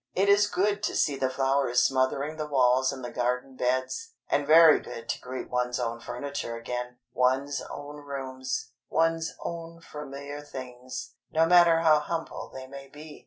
It is good to see the flowers smothering the walls and the garden beds; and very good to greet one's own furniture again, one's own rooms, one's own familiar things—no matter how humble they may be.